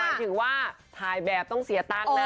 หมายถึงว่าถ่ายแบบต้องเสียตั้งนะอ๋อ